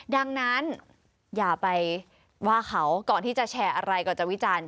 ดังนั้นอย่าไปว่าเขาก่อนที่จะแชร์อะไรก่อนจะวิจารณ์